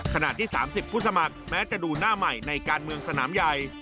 ขณะที่๓๐ผู้สมัครแม้จะดูหน้าใหม่ในการเมืองสนามใหญ่